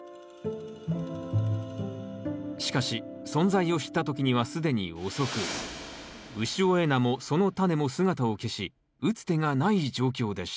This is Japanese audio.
しかし存在を知った時には既に遅く潮江菜もそのタネも姿を消し打つ手がない状況でした。